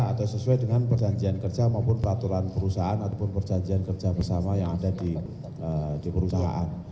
atau sesuai dengan perjanjian kerja maupun peraturan perusahaan ataupun perjanjian kerja bersama yang ada di perusahaan